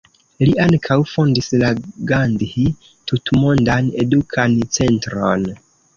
Li ankaŭ fondis la Gandhi Tutmondan Edukan Centron.